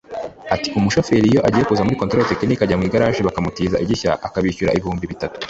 Ati “Umushoferi iyo agiye kuza muri controle technique ajya mu igaraje bakamutiza igishya akabishyura ibihumbi bitatu